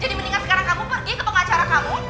jadi mendingan sekarang kamu pergi ke pengacara kamu